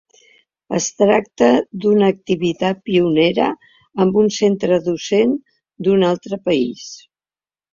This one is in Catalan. Es tracta d’una activitat pionera amb un centre docent d’un altre país.